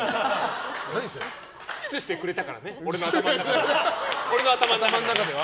キスしてくれたからね俺の頭の中では。